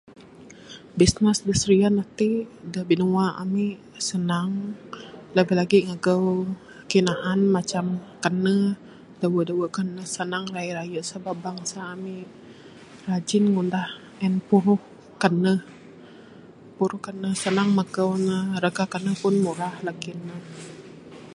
Bisnes da serian ati da binua ami senang labih labih lagi ngagau kayuh naan macam kaneh dawe kaneh sanang raye raye sebab bangsa ami rajin ngunah and puruh kaneh. Puruh kaneh sanang magau ne raga kaneh pun murah lagih ne.